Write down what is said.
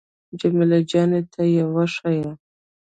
جمیله جانې ته يې وښيه.